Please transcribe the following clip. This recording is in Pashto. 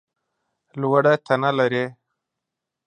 لوړه تنه لرې !